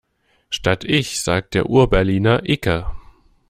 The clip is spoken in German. Statt ich sagt der Urberliner icke.